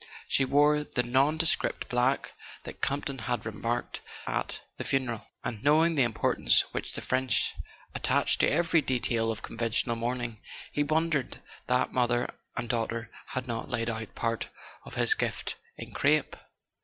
She wore the nondescript black that Campton had remarked at the funeral; and knowing the importance which the French attach to every detail of conventional mourning, he wondered that mother and daughter had not laid out part of his gift in crape.